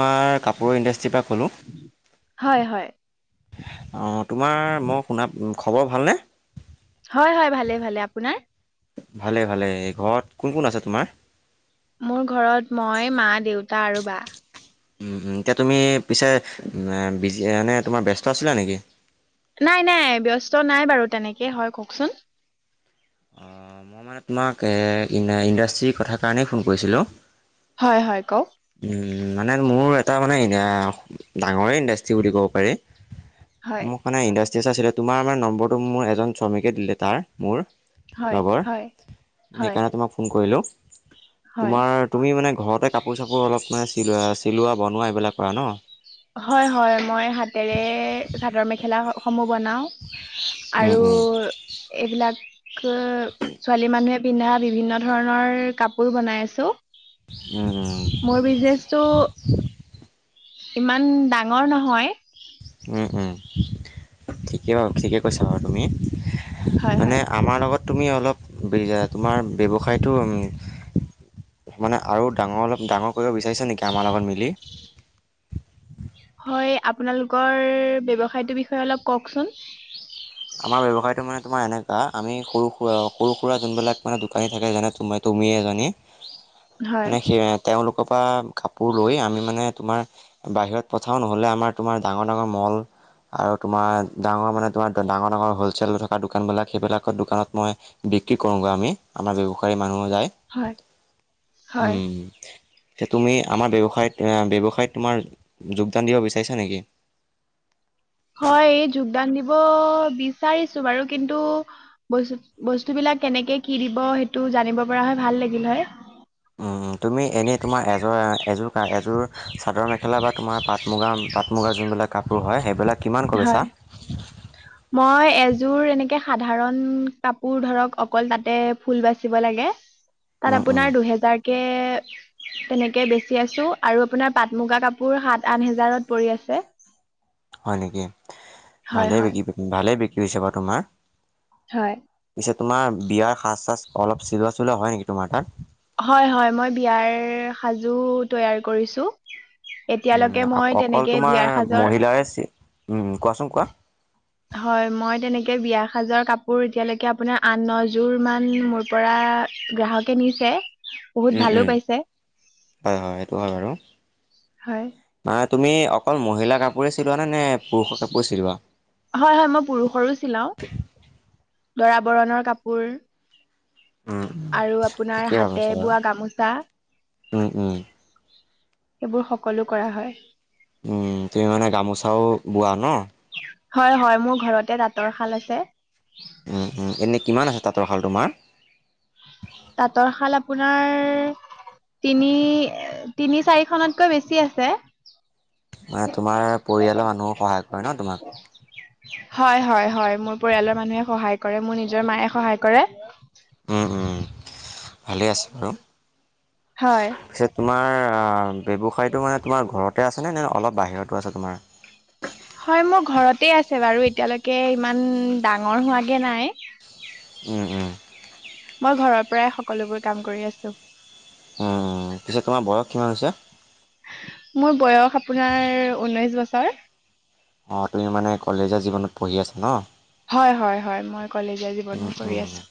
মই কাপোৰৰ ইণ্ডাষ্ট্ৰিৰ পৰা ক'লোঁ। হয় হয় অঁ, তোমাৰ মই শুনাত, খবৰ ভালনে? হয়, হয়, ভালেই, ভালেই, আপোনাৰ? ভালেই, ভালেই, এই ঘৰত কোন, কোন আছে তোমাৰ? মোৰ ঘৰত, মই, মা, দেউতা আৰু বা। উম, উম। এতিয়া তুমি পিছে, বিজি মানে, তোমাৰ, ব্যস্ত আছিলা নেকি? নাই নাই, ব্যস্ত নাই বাৰু তেনেকে, হয় কওকচোন অ', মই মানে তোমাক, ইণ্ডাষ্ট্ৰীৰ কথা কাৰণেই ফোন কৰিছিলোঁ। হয়, হয়, কওক। উম, মানে মোৰ, এটা মানে, ডাঙৰেই ইণ্ডাষ্ট্ৰ্ৰী বুলি ক'ব পাৰি হয় মোক মানে, ইণ্ডাষ্ট্ৰীছ আছিলে, তোমাৰ মানে নম্বৰটো, মোৰ এজন শ্ৰমিকে দিলে তাৰ, মোৰ হয় লগৰ, হয় হয় সেইকাৰণে তোমাক ফোন কৰিলোঁ। হয় তোমাৰ, তুমি মানে ঘৰতে কাপোৰ-চাপোৰ অলপ, মানে চিলোৱা চিলোৱা, বনোৱা, এইবিলাক কৰা ন? হয় হয় মই হাতেৰে চাদৰ মেখেলা স- সমূহ বনাওঁ উম আৰু উম এইবিলাক ক, ছোৱালী মানুহে পিন্ধা বিভিন্ন ধৰণৰ কাপোৰ বনাই আছোঁ। উম মোৰ বিজনেচটো ইমান ডাঙৰ নহয়। উম, উম। ঠিকেই বাৰু, ঠিকেই কৈছা বাৰু তুমি। হয় মানে হয় আমাৰ লগত, তুমি অলপ [unintelligible] তোমাৰ ব্যৱসায়টো মানে আৰু ডাঙৰ, অলপ ডাঙৰ কৰিব বিচাৰিছা নেকি আমাৰ লগত মিলি? হয়, আপোনালোকৰ ব্যৱসায়টোৰ বিষয়ে অলপ কওকচোন। আমাৰ ব্যৱসায়তটো মানে তোমাৰ এনেকুৱা, আমি সৰু-সুৰা আৰু সৰু-সুৰা যোনবিলাক মানে দোকানী থাকে, যেনে তোমাৰ, তুমিয়ে এজনী হয় মানে সেই তেওঁলোক টকা কাপোৰ লৈ, আমি মানে, তোমাৰ, বাহিৰত পঠাওঁ, নহ'লে আমাৰ, তোমাৰ, ডাঙৰ-ডাঙৰ মল আৰু তোমাৰ, ডাঙৰ মানে তোমাৰ ডাঙৰ- ডাঙৰ হ'লচেল থকা দোকানবিলাক সেইবিলাকৰ দোকানত মই বিক্ৰী কৰোঁগৈ আমি আমাৰ ব্যৱসায় ম হয় উ হয় [unintelligible] বিষয়ত তোমাৰ যোগদান দিব বিচাৰিছা নেকি? হয় যোগদান দিব বিচাৰিছোঁ বাৰু কিন্তু বস্তু, বস্তু বিলাক কেনেকে কি দিব সেইটো জানিব পৰা হয় ভাল লাগিল হয়। তুমি এনেই তোমাৰ এযোৰ-এযোৰ-এযোৰ চাদৰ মেখেলা বা তোমাৰ পাট মুগা, পাট মুগা যোনবিলাক কাপোৰ হয় সেইবিলাক। কিমানকৈ বেচা? হয়, মই এযোৰ এনেকে সাধাৰণ কাপোৰ ধৰক অকল তাতে ফুল বাচিব লাগে তাত উম, উম, আপোনাৰ দুহেজাৰ কে, তেনেকে বেচি আছোঁ আৰু আপোনাৰ পাট মুগা কাপোৰ সাত আঠ হেজাৰত পৰি আছে। [inaudible] হয় নেকি, হয় ভালেই হয় বিক ভালেই বিক্ৰীছে বাৰু তোমাৰ। হয়। পিছে তোমাৰ বিয়াৰ সাজ চাজ অলপ চিলোৱা চলোৱা হয় নেকি তোমাৰ তাত? হয় হয় মই বিয়াৰ সাজো তৈয়াৰ কৰিছোঁ। উম, অকল তোমাৰ সাজৰ মহিলাৰে উম, কোৱাচোন কোৱা। হয়, মই তেনেকে বিয়া সাজৰ কাপোৰ এতিয়ালৈকে আপোনাৰ আন নযোৰ মান মোৰ পৰা গ্ৰাহকে নিছে। বহুত উম, ভালো উম, পাইছে হয় হয় সেইটো হয় বাৰু হয় মাত তুমি অকল মহিলা কাপোৰে চিলোৱা? নে নে পুৰুষৰ কাপোৰ চিলোৱা? হয়, হয়, মই পুৰুষৰো চলাওঁ। দৰা বৰণৰ কাপোৰ। উম, আৰু আপোনাৰ ঠিকেই হাতে ভাবিছা বাৰু বোৱা গামোচা। উম উম সেইবোৰ সকলো কৰা হয়। উম, তুমি মানে গামোচাও বোৱা ন? হয়, হয়, মোৰ ঘৰতে তাতৰ শাল আছে। উম, উম, এনে কিমান আছে তাঁতৰ শাল তোমাৰ? তাঁতৰ শাল আপোনাৰ তিনি তিনি চাৰিখনতকৈ বেছি আছে। মানে তোমাৰ পৰিয়ালৰ মানুহ সহায় কৰে ন তোমাক? হয়, হয়, হয়, মোৰ পৰিয়ালৰ মানুহে সহায় কৰে মোৰ নিজৰ মায়ে সহায় কৰে। উম, উম, ভালে আছে বাৰু হয় পিচে তোমাৰ ব্যৱসায়টো মানে তোমাৰ ঘৰতে আছেনে নে অলপ বাহিৰতো আছে তোমাৰ? হয় মোৰ ঘৰতে আছে বাৰু এতিয়ালৈকে ইমান ডাঙৰ হোৱাগে নাই। উম, উম, মই ঘৰৰ পৰাই সকলোবোৰ কাম কৰি আছোঁ। উম, পিছে তোমাৰ বয়স কিমান হৈছে? মোৰ বয়স আপোনাৰ ঊনৈশ বছৰ। অ', তুমি মানে কলেজীয়া জীৱনত পঢ়ি আছা ন? হয়, হয়, হয়, মই কলেজীয়া উম জীৱনো কৰি উম আছোঁ।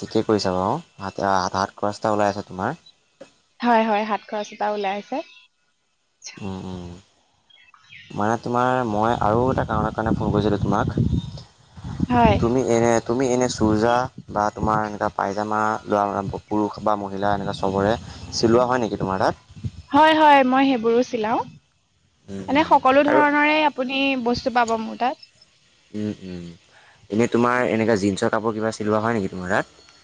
ঠিকেই কৰিছা বাৰু হাতে-হাত খৰচ এটা ওলাই আছে তোমাৰ। হয়, হয়, হাত খৰচ এটা ওলাই আছে। উম, উম, মানে তোমাৰ মই আৰু এটা কাৰণৰ কাৰণে ফোন কৰিছিলোঁ হয় তোমাক। তুমি এনে তুমি এনে চোৰজা বা তোমাৰ এ, পাইজামা লোৱা পুৰুষ বা মহিলা এনেকুৱা চবৰে চিলোৱা হয় নেকি তোমাৰ তাত? হয় হয় মই সেইবোৰো চিলাও উম মানে উম সকলো আৰু ধৰণৰে আপুনি বস্তু পাব মোৰ তাত। উম, উম, এনেই তোমাৰ এনেকা জিন্সৰ কাপোৰ কিবা চিলোৱা হয় নেকি তোমাৰ তাত?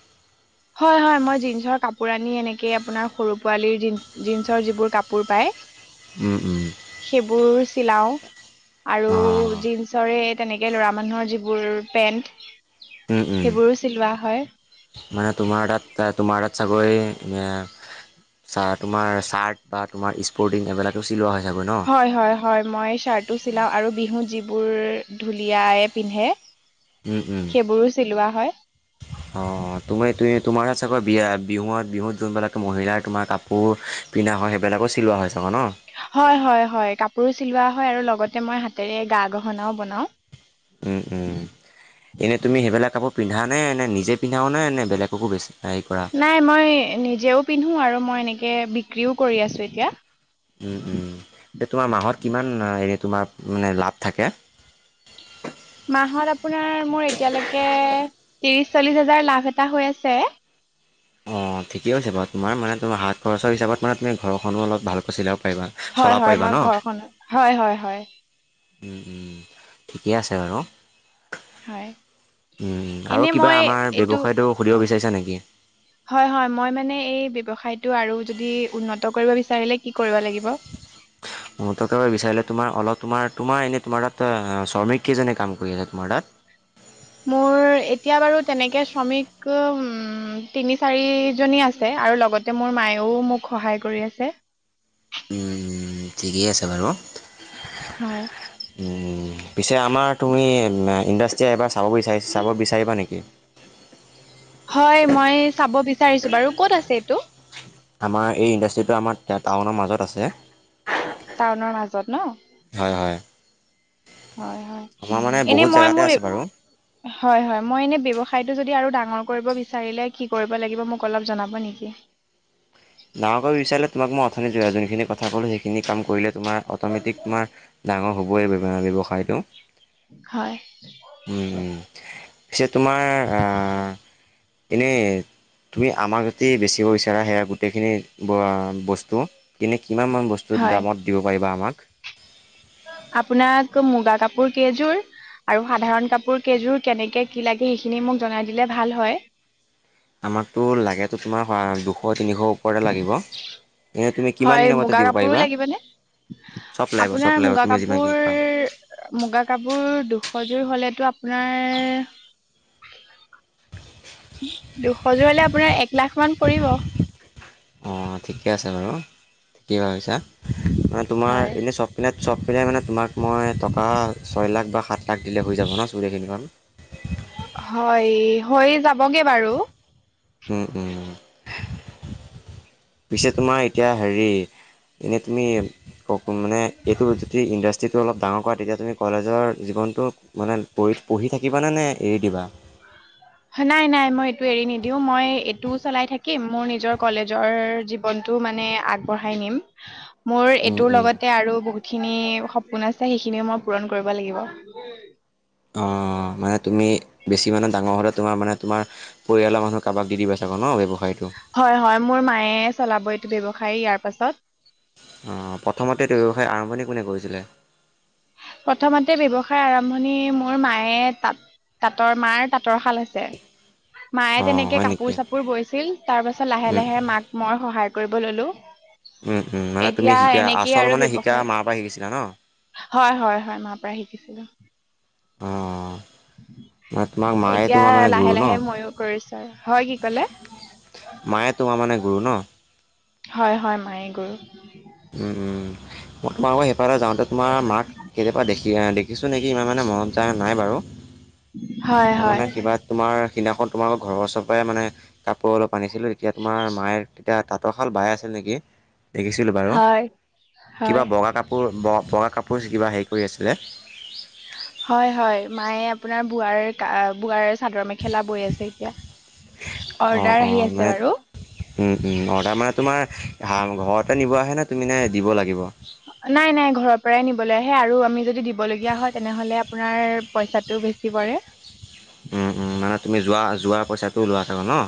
হয়, হয় মই জিন্সৰ কাপোৰ আনি এনেকে আপোনাৰ সৰু পোৱালীৰ জিন-জিন্সৰ যিবোৰ কাপোৰ পায় উম উম সেইবোৰ চিলাও আৰু অ' জিন্সৰে তেনেকে ল'ৰা মানুহৰ যিবোৰ পেন্ট উম উম সেইবোৰো চিলোৱা হয়। মানে তোমাৰ তাত তোমাৰ তাত ছাগৈ এ তোমাৰ চা তোমাৰ চাৰ্ট বা তোমাৰ স্পৰ্টিং এইবিলাকো চিলোৱা চাগৈ ন? হয়, হয়, হয়, মই শ্বাৰ্টো চিলাও আৰু বিহুত যি বোৰ ঢুলীয়াই পিন্ধে। উম, উম, সেইবোৰো চিলোৱা হয়। অ', তুমি তোৱে তোমাৰ তাবা বিয়া বিহু-বিহুত যোনবিলাক মহিলাৰ তোমাৰ কাপোৰ পিন্ধা হয় সেইবিলাকো চিলোৱা হৈছ হয়, হয়, হয়, কাপোৰো চিলোৱা হয় আৰু লগতে মই হাতেৰে গা গহনাও বনাও। উম, উম, এনেই তুমি সেইবিলাক কপো পিন্ধা নে নিজে পিন্ধাওনে নে বেলেগকো বেছি হেৰি কৰা নাই মই নিজেও পিন্ধো আৰু মই এনেকে বিক্ৰীও কৰি আছোঁ এতিয়া। উম, উম, এ, তোমাৰ মাহত কিমান আ তোমাৰ মানে লাভ থাকে। মাহত আপোনাৰ মোৰ এতিয়ালৈকে ত্ৰিশ চল্লিশ হাজাৰ লাভ এটা হৈ আছে। অ', ঠিকেই হৈছে বাৰু, তোমাৰ মা তোমাৰ হাত খৰচৰ হিচাপত মানে তুমি ঘৰখনো অলপ ভালকৈ চিলাও হয়, হয়, মই ঘৰখনো, হয়, হয়, হয়। উম, উম, ঠিকে আছে বাৰু। হয় উম, আৰু এনে কিবা মই আমাৰ এইটো ব্যৱসায়টো সুধিব বিচাৰিছা নেকি? হয়, হয়, মই মানে এই ব্যৱসায়টো আৰু যদি উন্নত কৰিব বিচাৰিলে কি কৰিব লাগিব? মই থকাৰ চাৰিলে তোমাৰ অলপ তোমাৰ তোমাৰ এনেই তোমাৰ তাত শ্ৰমিক কেইজনে কাম কৰি আছে তোমাৰ তাত? [inaudible] মোৰ এতিয়া বাৰু তেনেকে শ্ৰমিক উ-উম, তিনি চাৰি জনী আছে আৰু ল লগতে মোৰ মায়েও মোক সহায় কৰি আছে। উম, ঠিকেই আছে বাৰু, হয় উম। পিছে আমাৰ তুমি ইণ্ডাষ্ট্ৰিয়ীয়ে এবাৰ চাব বিচাৰি-চাব বিচাৰিবা নেকি? হয় মই চাব বিচাৰিছো বাৰু, ক'ত আছে এইটো? আমাৰ এই ইণ্ডাষ্ট্ৰিটো আমাৰ টাউনৰ মাজত আছে। টাউনৰ মাজত ন'? হয় হয়। হয়, হয়, আমাৰ মানে এনে বহুত মই জেগাতে মোৰ এ, আছে বাৰু। হয়, হয় মই এনে ব্যৱসায়টো যদ দিওঁ আৰু ডাঙৰ কৰিব বিচাৰিলে কি কৰিব লাগিব মোক অলপ জনাব নেকি? ডাঙৰ কৰিব বিচাৰিলে তোমাক মই অথনি য-যোনখিনি কথা ক'লো সেইখিনি কাম কৰিলে তোমাৰ অট'মেটিক তোমাৰ ডাঙৰ হ'বই [unintelligible] ব্যৱসায়টো। হয়। উম, পিছে তোমাৰ অ', এনেই তুমি আমাক যদি বেচিব বিচাৰা সেয়া গোটেইখিনি ব বস্তু কিনি কিমান মান বস্তু হয় দামত দিব পাৰিবা আমাক? আপোনাক মূগা কাপোৰ কেইযোৰ আৰু সাধাৰণ কাপোৰ কেইযোৰ কেনেকে কি লাগে সেইখিনি মোক জনাই দিলে ভাল হয়। আমাকটো লাগেটো তোমাৰ শ দুশ তিনিশ ওপৰতে লাগিব এনে তুমি হয় কিমান মতে মুগা দিব কাপোৰো পাৰিবা? লাগিবনে চব লাগিব চব আপোনাৰ লাগিব মূগা তুমি কাপোৰ যিমানখিনি পাৰা মূগা কাপোৰ দুশজোৰ হ'লেটো আপোনাৰ দুশ জোৰলে আপোনাৰ এক লাখ মান পৰিব। অ', ঠিকে আছে বাৰু, ঠিকে ভাবিছা মানে হয় তোমাৰ এনেই চব পিনে চব পিলাই মানে তোমাক মই টকা ছয় লাখ বা সাত তাক দিলে হৈ যাব ন' চুলিখিনি? হয় হৈ যাবগে বাৰু। উম, উম। পিছে তোমাৰ এতিয়া হেৰি এনেই তুমি মানে যদি ইন যিটো অলপ ডাঙৰ কৰা। তেতিয়া তুমি কলেজৰ জীৱনটো মানে পঢ়ি- পঢ়ি থাকিবানে নে এৰি দিবা? হয় নাই নাই মই এইটো এৰি নিদিও। মই এইটোও চলাই থাকিম মোৰ নিজৰ কলেজৰ জীৱনতটো মানে আগবঢ়াই নিম। মোৰ উম, এইটোৰ উম। লগতে আৰু বহু খিনি সপোন আছে। সেইখিনিও মই পূৰণ কৰিব লাগিব। অঁ মানে তুমি বেছি মানহ ডাঙৰ হ'লে তোমাৰ মানে, তোমাৰ পৰিয়ৰ মানুহ কাৰোাক দি দিবা চাগ ন ব্যৱসায়টো। হয় হয় মোৰ মায়ে চলাব এইটো ব্যৱসায় ইয়াৰ পাছত। অঁ প্ৰথমতে এইটো ব্যৱসায় আৰম্ভণি কোনে কৰিছিলে? প্ৰথমতে ব্যৱসায় আৰম্ভণি মোৰ মায়ে তাঁত- তাঁতৰ মাৰ ত সোতৰশাল হৈছে। মায়ে অ', তেনেকে হয় নেকি? কাপোৰ চাপোৰ বৈছিল। তাৰ পাছত লাহে উম, লাহে মাক মই সহাৰ কৰিব ললো। উম-উম মানে তুমি এতিয়া শিকা এনেকেই আচল আৰু মানে শিকা, ব্যৱসায় মাৰ পৰা শিকিছিলা ন? হয়- হয় - হয় মাৰ পৰা শিকিছিলো। অ', মানে তোমাক মায়ে এতিয়া তোমাৰ মানে গুৰু লাহে ন? লাহে ময়ো কৰিছো আৰু। হয় কি কলে? মায়ে তোমাৰ মানে ন হয় হয় মায়ে গৰু উ-উ মই তোমালোকৰ সেইফালে যাওঁতে তোমাৰ মাক সেইয়াৰ দেখি দেখিছো। চোন নেকি ইমান মানে মনত যায় নাই বাৰু। হয় মই হয় মানে সিবা তোমাৰ দিনাখন তোমালোকৰ ঘৰৰ ওচৰৰ পৰাই মানে কাপোৰ অলপ আনিছিলোঁ। তেতিয়া তোমাৰ মায়ে তেতিয়া তাত তাতৰশাল বাই আছে নেকি, দেখিছিলোঁ বাৰু হয় কিবা হয় বগা কাপোৰ বগ-বগা কাপ কপজ কিবা হেৰি কৰি আছিলে হয়-হয় মায়ে আপোনাৰ বোৱাৰ বোৱাৰ চাদৰ মেখেলা বৈ আছে এতিয়া। অৰ্ডাৰ অঁ অঁ আহি আছে মানে বাৰু অৰ্ডাৰ মানে তোমাৰ ঘৰতে নিব আহে ন তুমি নে দিব লাগিব? নাই নাই ঘৰৰ পৰাই নিবলৈ আহে আৰু আমি যদি দিবলগীয়া হয়। তেনেহলে আপোনাৰ পইচাটো বেছি পৰে। [inaudible] উম, উম, মানে তুমি যোৱা-যোৱাৰ পইচাটোও লওৱা চাগে ন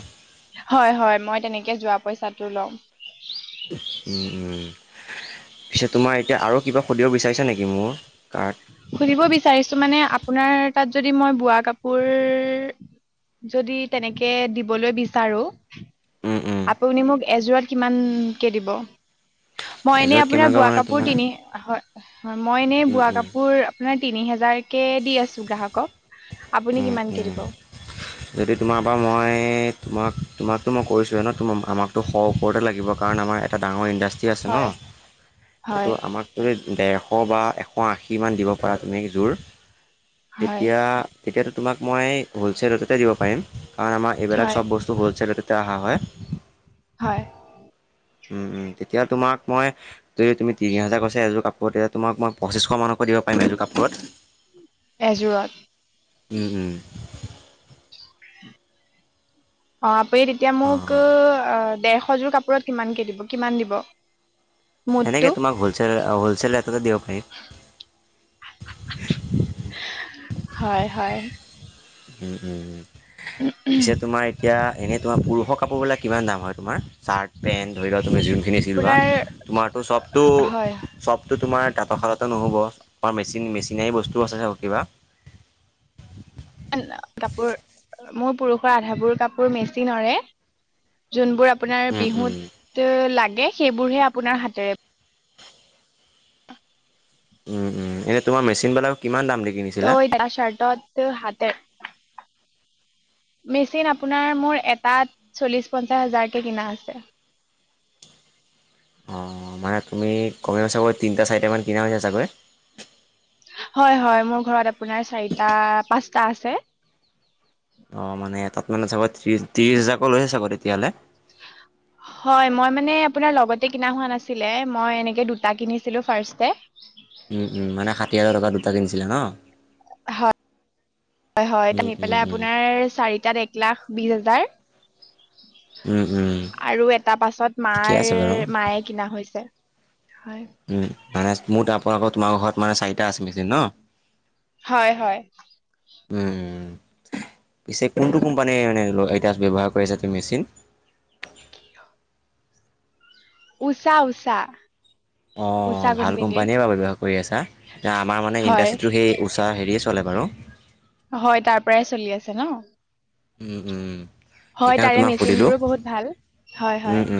হয় হয় মই তেনেকে যোৱা পইচাটো লম। পিছে তোমাৰ এতিয়া আৰু কিবা সুধিব বিচাৰিছা নেকি মোৰ? কাৰ্ড? সুধিব বিচাৰিছো মানে আপোনাৰ তাত যদি মই বোৱা কাপোৰ যদি তেনেকে দিবলৈ বিচাৰো। উম, উম। আপুনি মোক এযোৰত কিমানকে দিব। মই এনে এযোৰত আপোনাৰ কেনেকুৱা বোৱা মানে কাপোৰ তোমাৰ? তিনি হয় হয়। মই এনেই উম, বোৱা উম, কাপোৰ আপোনাৰ তিনি হোজাৰকে দি আছো গ্ৰাহকক। আপুনি কিমানকে দিব যদি তোমাৰ পৰা মই তোমাক তোমাকতো মই কছোঁৱে ন আমাকতো শ ওপৰতে লাগিব। কাৰণ আমাৰ এটা ডাঙৰ ইণ্ডাষ্ট্ৰি আছে ন, হয় হয় এইটো আমাকতো এই ডেৰশ বা এশ আশীমান দিব পৰা তুমি জোৰ হয় তেতিয়া তেতিয়াতো তোমাক মই হোলচেল ৰেটতে দিব পাৰিম। কাৰণ আমাৰ এইবিলাক হয় চব বস্তু হ'লচেলতে অহা হয়। হয় উম, [unintelligible] তেতিয়া তোমাক মই যদি তুমি তিনি হাজাৰ কৈছা এযোৰ কাপোৰত, তেতিয়া তোমাক মই পঁচিছশ মানকৈ দিব পাৰিম। এইটো কাপোৰত। এজোৰাত? অ আপুনি তেতিয়া মোক অঁ ডৰশযোৰ কাপোৰত কিমানকে দিব? কিমান দিব? মুঠটো সেনেকে তোমাক হলছেল-হলছেল [unintelligible] হয়- হয়। উম, পিছে তোমাৰ এতিয়া এনেই তোমাৰ পুৰুষৰ কাপোৰবিলাক কিমান দাম হয় তোমাৰ চাৰ্ট পেণ্ট ধৰি লওক তুমি যোনখিনি ছিলোৱা আপোনাৰ তোমাৰটো হয় চবটো- চবটো তোমাৰ তাতৰশালতে নহ'ব বা মেচিন মেচিনাৰী বস্তুও আছে ন কিবা। কাপোৰ মোৰ পুৰুষৰ আধাবোৰ কাপোৰ মেচিনৰে যোন বোৰ আপ আপোনাৰ উম, উম। বিহুত লাগে সেইবোৰহে আপোনাৰ হাতেৰে উম- উম এনেই তোমাৰ মেচিন বিলাক কিমান দাম দি ত' কিনিছিলা? [unintelligible] চাৰ্টত হাতে মেচিন আপোনাৰ মোৰ এটাত চল্লিশ পঞ্চাছ হাজাৰকে কিনা হৈছে। অ', মানে তুমি কমেও চাগৈ তিনিটা চাৰিটামান কিনা হৈ হৈছে চাগৈ। হয় - হয়, মোৰ ঘৰত আপুনাৰ চাৰিটা পাঁচটা আছে। অ', মানে এটাত মানে চাগৈ ত্ৰিশ- ত্ৰিশ হাজাৰকৈ লৈছে চাগৈ তেতিয়াহ'লে। [inaudible] হয়, মই মানে আপোনাৰ লগতে কিনা হোৱা নাছিলে মই এনেকে দুটা কিনিছিলো ফাৰ্ষ্টতে। উম, উম, মানে ষাঠি হাজাৰ [unintelligible] হয়-হয় উম, [unintelligible] উম, পেলাই উম, আপোনাৰ চাৰি তাত এক লাখ বিছ হাজাৰ। উম, উম, আৰু এটা পাছত ঠিকে মাৰ আছে বাৰু। মায়ে কিনা হৈছে। হয় উম, মানে মোৰ [unintelligible] তোমাৰ ঘৰত মানে চাৰিটা আছে মেচিন ন। হয়- হয়। উম। পিছে কোনটো কোম্পানীয়ে মানে [unintelligible] ব্যৱহাৰ কৰি আছে মেচিন। [inaudible] উচা - উচা। অ', ভাল কোম্পানীয়ে বাৰু ব্যৱহাৰ কৰি আছা এ আমাৰ মানে হয় ইণ্ডাষ্ট্ৰিটো সেই উচা হেৰিয়ে চলে বাৰু। হয় তাৰ পৰাই চলি আছে ন। উম-উম। হয় তাৰে মেচিনবোৰো বহুত ভাল, হয়- উম, হয়